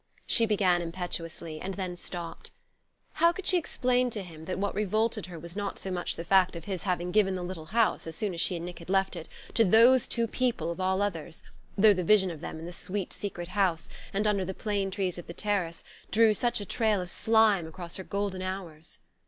she began impetuously; and then stopped. How could she explain to him that what revolted her was not so much the fact of his having given the little house, as soon as she and Nick had left it, to those two people of all others though the vision of them in the sweet secret house, and under the plane trees of the terrace, drew such a trail of slime across her golden hours?